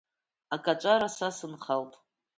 Акаҵәара са сынхалт…